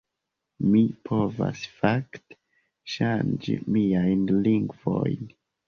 Mi povas, fakte, ŝanĝi miajn lingvojn